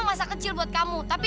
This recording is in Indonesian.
maksud kamu pembohong apa